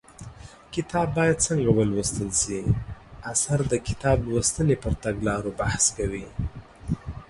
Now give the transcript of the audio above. کتاب باید څنګه ولوستل شي اثر د کتاب لوستنې پر تګلارو بحث کوي